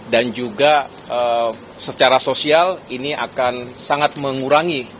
dan juga secara sosial ini akan sangat mengurangi